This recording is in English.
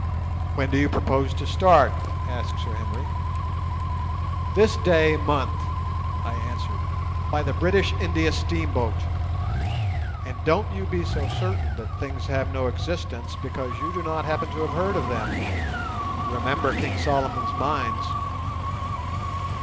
"When do you propose to start?" asked Sir Henry. "This day month," I answered, "by the British India steamboat; and don't you be so certain that things have no existence because you do not happen to have heard of them. Remember King Solomon's mines!"